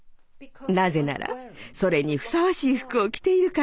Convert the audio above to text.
なぜならそれにふさわしい服を着ているから！